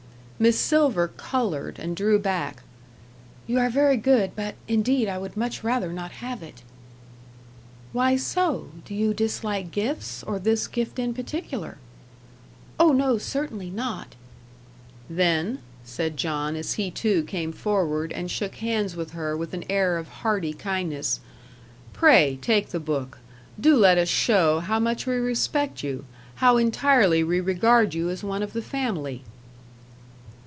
Miss Silver coloured, and drew back. "You are very good, but indeed I would much rather not have it." "Why so? Do you dislike gifts, or this gift in particular?" "Oh, no; certainly not." "Then," said John, as he too came forward and shook hands with her with an air of hearty kindness, "pray take the book. Do let us show how much we respect you; how entirely we regard you as one of the family."